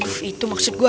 aduh itu maksud gua